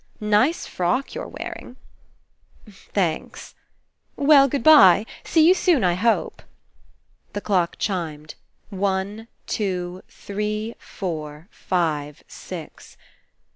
... Nice frock you're wearing. ... Thanks. ... Well, good bye; see you soon, I hope." The clock chimed. One. Two, Three. Four. Five. Six.